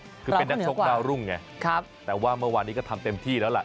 คือเป็นนักชกดาวรุ่งไงแต่ว่าเมื่อวานนี้ก็ทำเต็มที่แล้วล่ะ